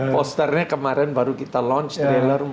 posternya kemarin baru kita launch trailer